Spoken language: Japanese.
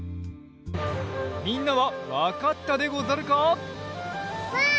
みんなはわかったでござるか？